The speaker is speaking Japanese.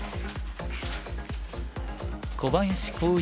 小林光一